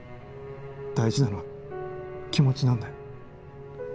大事なのは気持ちなんだよ。